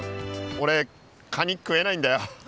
俺カニ食えないんだよ。